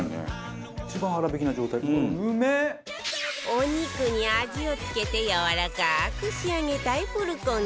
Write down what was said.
お肉に味を付けてやわらかく仕上げたいプルコギ